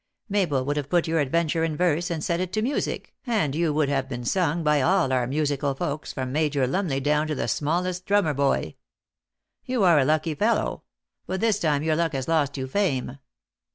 Mabel would have put your adventure in verse, and set it to mu^ic, and you would have been sung by all our musical folks, from Major Lumley down to the smallest drum mer boy. You are a lucky fellow ; but this time, your luck has lost you fame."